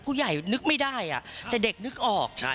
ผู้ใหญ่นึกไม่ได้อะแต่เด็กนึกออก